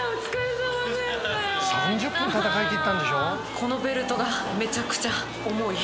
このベルトがめちゃくちゃ重い。